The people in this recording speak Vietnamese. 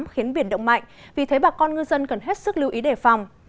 khiến biển động mạnh vì thế bà con ngư dân cần hết sức lưu ý đề phòng